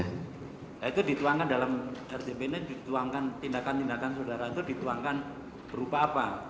nah itu dituangkan dalam rdp nya dituangkan tindakan tindakan saudara itu dituangkan berupa apa